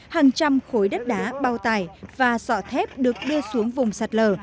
hàng trăm khối đất đá bao tải và sọ thép được đưa xuống vùng sạt lở